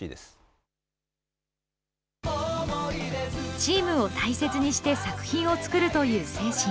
チームを大切にして作品を作るという精神。